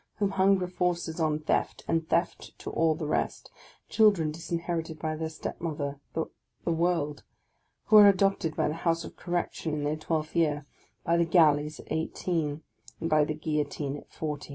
whom hunger forces on theft, and theft to all the rest ; children disinherited by their step mother, the world ; who are adopted by the House of Correction in their twelfth year, — by the Galleys at eighteen, — and by the Guil lotine at forty